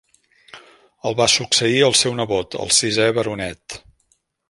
El va succeir el seu nebot, el sisè Baronet.